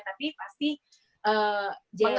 tapi pasti jadi